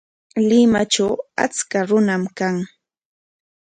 Limatraw achka runam kan.